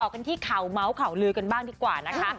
บอกกันที่เขาม้าวเขาลือกันบ้างที่กว่านะคะ